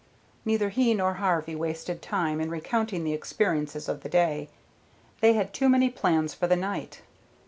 Neither he nor Harvey wasted time in recounting the experiences of the day; they had too many plans for the night.